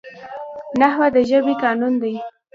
نحوه د ژبي قانون دئ.